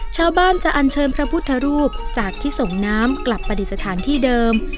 ชาวบ้านจะอันเชิญพระพุทธรูปจากที่ส่งน้ำกลับปฏิสถานที่เดิม